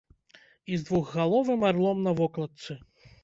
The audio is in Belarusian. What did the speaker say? І з двухгаловым арлом на вокладцы.